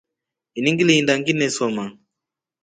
Ini ngilinda nginesoma.